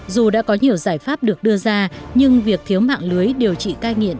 dù đã có nhiều giải pháp được đưa ra nhưng việc thiếu mạng lưới điều trị cai nghiện